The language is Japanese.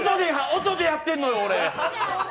音でやってんのよ、俺！